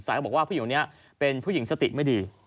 เขาบอกว่าผู้หญิงคนนี้เป็นผู้หญิงสติไม่ดี